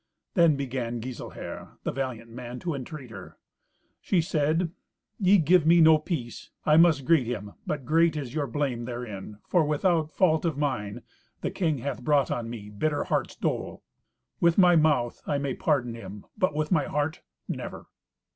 Then began Giselher, the valiant man, to entreat her. She said, "Ye give me no peace. I must greet him, but great is your blame therein, for without fault of mine the king hath brought on me bitter heart's dole. With my mouth I may pardon him, but with my heart, never."